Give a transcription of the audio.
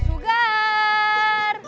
ayak udah ayak